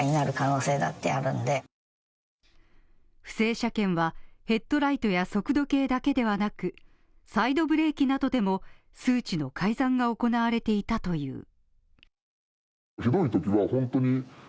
不正車検は、ヘッドライトや速度計だけではなくサイドブレーキなどでも数値の改ざんが行われていたという。